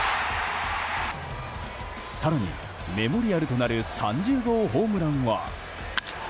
更に、メモリアルとなる３０号ホームランは。